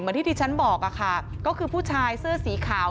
ที่ที่ฉันบอกค่ะก็คือผู้ชายเสื้อสีขาว